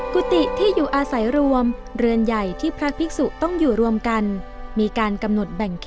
กุฏิที่อยู่อาศัยรวมเรือนใหญ่ที่พระภิกษุต้องอยู่รวมกันมีการกำหนดแบ่ง